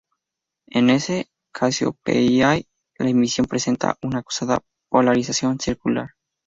En S Cassiopeiae la emisión presenta una acusada polarización circular.